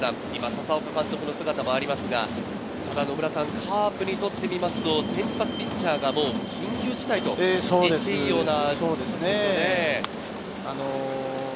佐々岡監督の姿もありますが、野村さん、カープにとってみますと先発ピッチャーが緊急事態といっていいような。